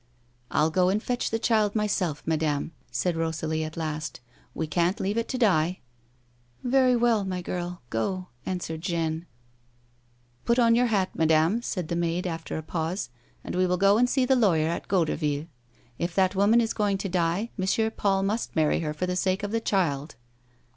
" I'll go and fetch the child myself, madame," said Rosalie at last. " We can't leave it to die." " Very well, my girl, go," answered Jeanne. " Put on your hat, madame," said the maid, after a pause, " and we will go and see the lawyer at Goderville. If that woman is going to die, M. Paul must marry her for the sake of the child."